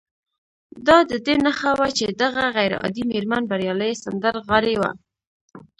دا د دې نښه وه چې دغه غير عادي مېرمن بريالۍ سندرغاړې وه